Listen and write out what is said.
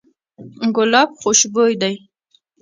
ګلاب خوشبوی دی.